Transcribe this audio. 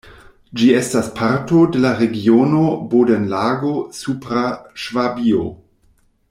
Ĝi estas parto de la regiono Bodenlago-Supra Ŝvabio.